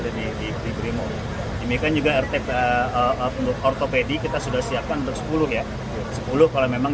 dari di bribrimo demikian juga rtpa untuk ortopedi kita sudah siapkan untuk sepuluh ya sepuluh kalau memang